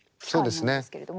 そうですね。